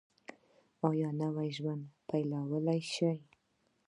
ایا نوی ژوند پیلولی شئ؟